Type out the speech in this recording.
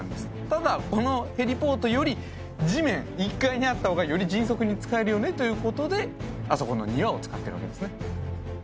ただこのヘリポートより地面１階にあった方がより迅速に使えるよねということであそこの庭を使ってるわけですね